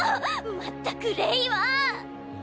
まったくレイは！